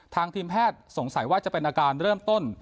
ทีมแพทย์สงสัยว่าจะเป็นอาการเริ่มต้น